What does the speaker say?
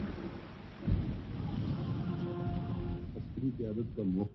Cook Islands